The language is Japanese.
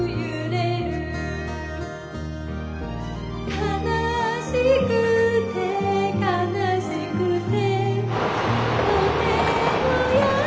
「悲しくて悲しくて」